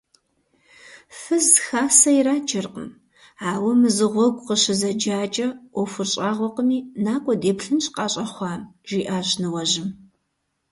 Фыз хасэ ираджэркъым, ауэ мызыгъуэгу къыщызэджакӀэ, Ӏуэхур щӀагъуэкъыми, накӀуэ, деплъынщ къащӀэхъуам, – жиӏащ ныуэжьым.